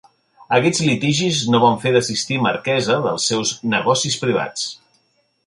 Aquests litigis no van fer desistir Marquesa dels seus negocis privats.